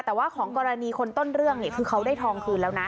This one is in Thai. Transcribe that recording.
แต่ว่าของกรณีคนต้นเรื่องเนี่ยคือเขาได้ทองคืนแล้วนะ